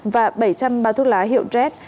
và bảy trăm linh bao thuốc lá hiệu dress